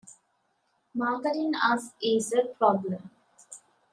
Marketing us is a problem.